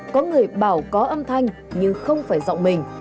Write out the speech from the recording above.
có người bảo có âm thanh nhưng không phải giọng mình